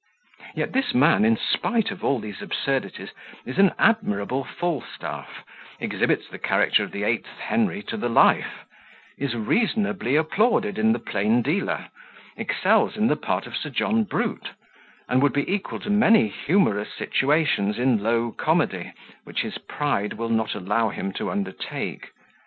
Yet this man, in spite of all these absurdities, is an admirable Falstaff, exhibits the character of the eighth Henry to the life, is reasonably applauded in the Plain Dealer, excels in the part of Sir John Brute, and would be equal to many humorous situations in low comedy, which his pride will not allow him to undertake.